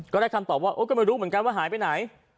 ได้คำตอบว่าก็ไม่รู้เหมือนกันว่าหายไปไหน